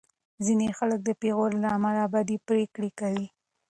ځینې خلک د پېغور له امله بدې پرېکړې کوي.